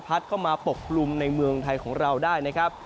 เข้ามาปกกลุ่มในเมืองไทยของเราได้นะครับ